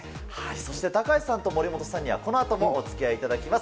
そして、高橋さんと森本さんには、このあともおつきあいいただきます。